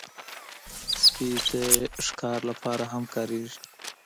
سپي د شکار لپاره هم کارېږي.